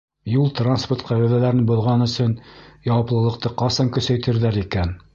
— Юл-транспорт ҡағиҙәләрен боҙған өсөн яуаплылыҡты ҡасан көсәйтерҙәр икән?